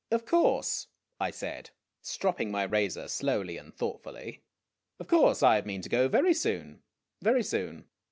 'Of course," I said, stropping my razor slowly and thoughtfully. " Of course. I mean to go very soon. Very soon.